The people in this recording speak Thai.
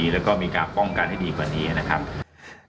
และก็มีการป้องกันให้ดีกว่านี้